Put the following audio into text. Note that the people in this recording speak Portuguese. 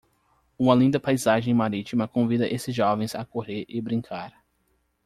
Uma linda paisagem marítima convida esses jovens a correr e brincar.